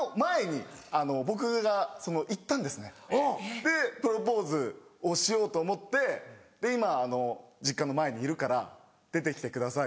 でプロポーズをしようと思って「今実家の前にいるから出て来てください」。